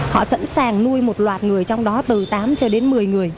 họ sẵn sàng nuôi một loạt người trong đó từ tám cho đến một mươi người